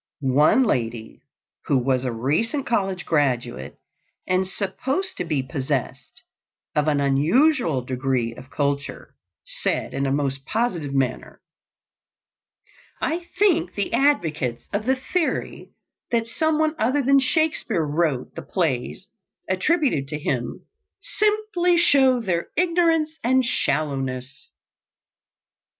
One lady, who was a recent college graduate and supposed to be possessed of an unusual degree of culture, said in a most positive manner: "I think the advocates of the theory that some one other than Shakespeare wrote the plays attributed to him, simply show their ignorance and shallowness."